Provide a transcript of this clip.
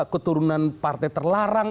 keturunan partai terlarang